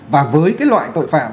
và với cái loại tội phạm